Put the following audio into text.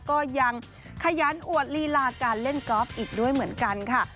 ก็ยังขยันอวดลีลาการเล่นกอล์ฟอีกด้วยเหมือนกันค่ะ